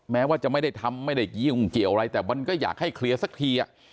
แม้ว่าจะไม่ได้ทำไม่ได้ยุ่งเกี่ยวอะไรแต่มันก็อยากให้เคลียร์สักที